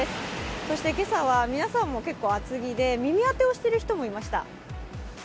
そして今朝は皆さんも結構厚着で耳当てをしている人もいました。